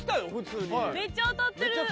めっちゃ当たってる。